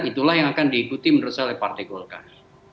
itulah yang akan diikuti menurut saya oleh partai golkar